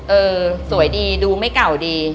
เออสวยดีดูไม่เก่าดี